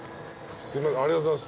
ありがとうございます。